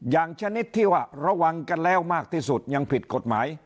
ชนิดที่ว่าระวังกันแล้วมากที่สุดยังผิดกฎหมาย